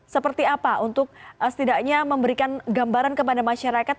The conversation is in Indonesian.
seperti apa untuk setidaknya memberikan gambaran kepada masyarakat